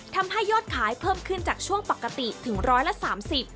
ทำให้ยอดขายเพิ่มขึ้นจากช่วงปกติถึงร้อยละสามสิบ